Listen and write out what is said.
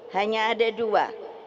hanya ada dua